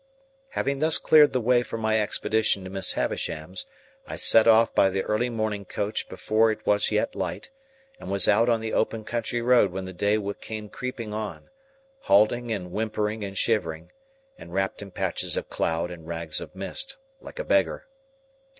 Having thus cleared the way for my expedition to Miss Havisham's, I set off by the early morning coach before it was yet light, and was out on the open country road when the day came creeping on, halting and whimpering and shivering, and wrapped in patches of cloud and rags of mist, like a beggar.